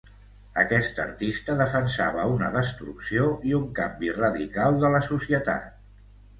Aquest artista defensava una destrucció i un canvi radical de la societat.